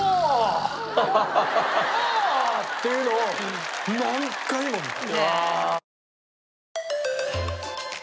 っていうのを何回も見た。